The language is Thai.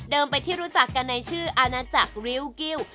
เป็นที่รู้จักกันในชื่ออาณาจักรริ้วกิ้ว